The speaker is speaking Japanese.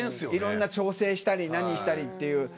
いろんな調整したり何したりっていう。